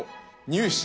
「ニュー試」